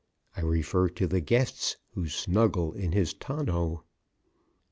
I refer to the guests who snuggle in his tonneau.